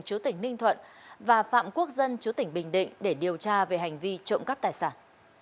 chú tỉnh ninh thuận và phạm quốc dân chú tỉnh bình định để điều tra về hành vi trộm cắp tài sản